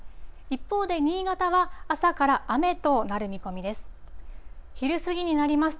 一方で新潟は、朝から雨となる見込みです。